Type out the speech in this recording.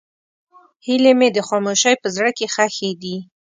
هیلې مې د خاموشۍ په زړه کې ښخې دي.